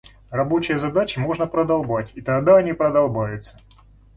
Рабочие задачи можно продолбать и тогда они продолбаются.